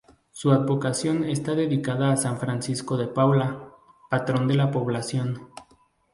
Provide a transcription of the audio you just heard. Su advocación está dedicada a San Francisco de Paula, patrón de la población.